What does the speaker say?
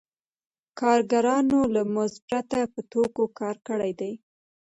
کارګرانو له مزد پرته په توکو کار کړی دی